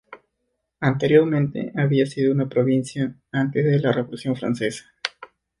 Anteriormente había sido una provincia antes de la Revolución Francesa.